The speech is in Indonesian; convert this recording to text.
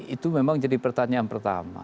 itu memang jadi pertanyaan pertama